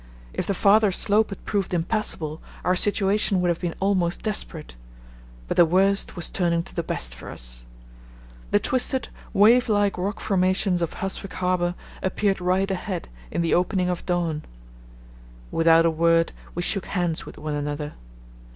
If the farther slope had proved impassable our situation would have been almost desperate; but the worst was turning to the best for us. The twisted, wave like rock formations of Husvik Harbour appeared right ahead in the opening of dawn. Without a word we shook hands with one another.